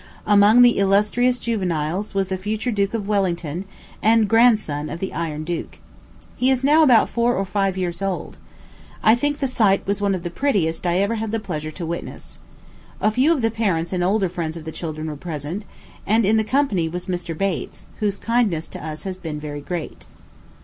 Among the illustrious juveniles was the future Duke of Wellington, and grandson of the Iron Duke. He is now about four or five years old. I think the sight was one of the prettiest I ever had the pleasure to witness. A few of the parents and older friends of the children were present; and in the company was Mr. Bates, whose kindness to us has been very great.